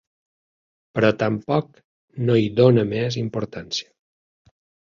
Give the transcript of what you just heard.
Però tampoc no hi dona més importància.